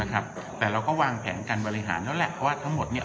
นะครับแต่เราก็วางแผนการบริหารแล้วแหละเพราะว่าทั้งหมดเนี้ย